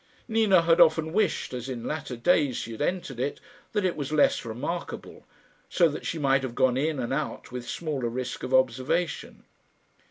Nina had often wished, as in latter days she had entered it, that it was less remarkable, so that she might have gone in and out with smaller risk of observation.